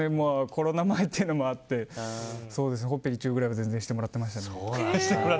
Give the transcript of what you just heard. コロナ前というのもあってほっぺにチューくらいは全然してもらってましたね。